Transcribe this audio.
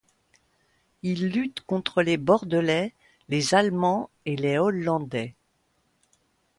Ils luttent contre les Bordelais, les Allemands et les Hollandais.